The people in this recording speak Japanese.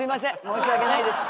申し訳ないです。